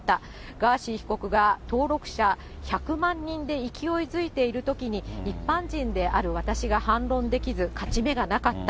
ガーシー被告が登録者１００万人で勢いづいているときに、一般人である私が反論できず、勝ち目がなかった。